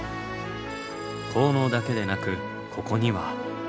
効能だけでなくここには。